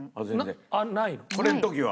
これの時は？